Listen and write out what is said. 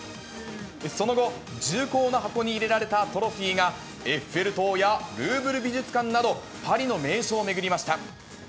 その後、重厚な箱に入れられたトロフィーが、エッフェル塔やルーブル美術館など、パリの名所を巡りました。